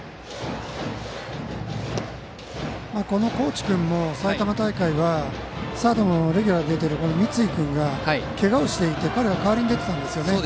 この河内君も埼玉大会はサードのレギュラーで出ている三井君がけがをしていて彼の代わりに出ていたんですね。